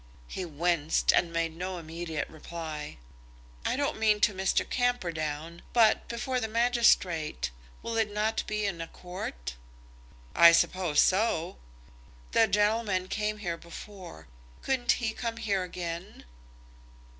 He winced, and made no immediate reply. "I don't mean to Mr. Camperdown, but before the magistrate. Will it be in a court?" "I suppose so." "The gentleman came here before. Couldn't he come here again?"